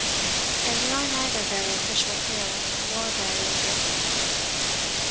(And we are neither very official, here, nor very rigid.)